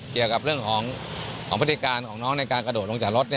เกี่ยวกับเรื่องของพฤติการของน้องในการกระโดดลงจากรถ